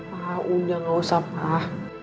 wah udah gak usah pak